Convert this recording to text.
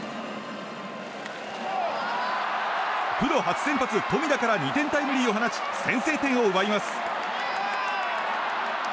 プロ初先発、富田から２点タイムリーを放ち先制点を奪います。